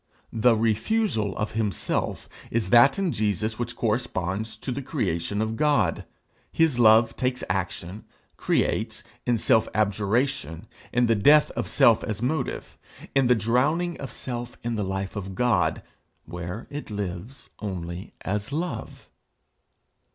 The refusal of himself is that in Jesus which corresponds to the creation of God. His love takes action, creates, in self abjuration, in the death of self as motive; in the drowning of self in the life of God, where it lives only as love.